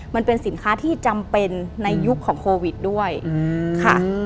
มันเป็นสินค้าที่จำเป็นในยุคของโควิดด้วยค่ะ